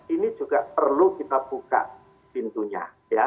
ini juga perlu kita buka pintunya